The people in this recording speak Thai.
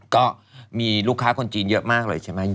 ก็มีลูกค้าคนจีนเยอะมากเลยใช่ไหม